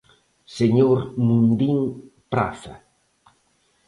Señor Mundín Praza.